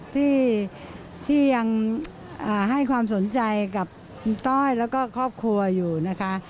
ที่ยังให้ความสนใจกับคุณต้อยแล้วก็ครอบครัวอยู่นะคะ